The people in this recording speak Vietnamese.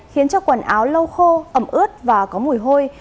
khiến cho quần áo lâu khô ẩm ướt và có mùi hôi